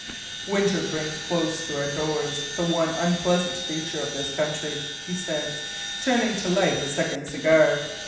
"Winter brings close to our doors the one unpleasant feature of this country," he said, turning to light a second cigar.